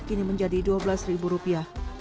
kini menjadi dua belas ribu rupiah